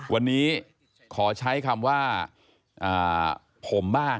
วันนี้ขอใช้คำว่าผมบ้าง